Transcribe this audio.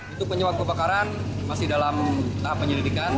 itu penyebab kebakaran masih dalam tahap penyelidikan